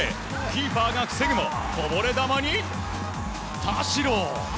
キーパーが防ぐもこぼれ球に田代！